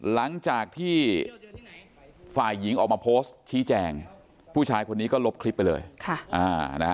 หลังจากที่ฝ่ายหญิงออกมาโพสต์ชี้แจงผู้ชายคนนี้ก็ลบคลิปไปเลยค่ะอ่านะฮะ